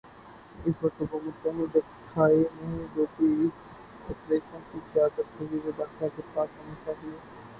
اس وقت حکومت کہیں دکھائی نہیں دیتی اس آپریشن کی قیادت وزیر داخلہ کے پاس ہونی چاہیے۔